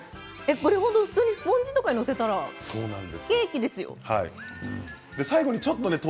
普通にスポンジに載せたらケーキですよ。